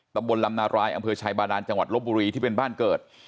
ตำบลลำนารายอำเภอชายบาดานจังหวัดลบบุรีที่เป็นบ้านเกิด